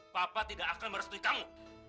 papa tidak akan merestui kamu